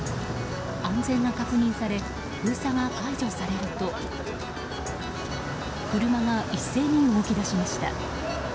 安全が確認され封鎖が解除されると車が一斉に動き出しました。